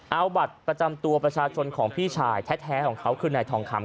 เอาบัตรประจำตัวประชาชนของพี่ชายแท้ของเขาคือนายทองคำ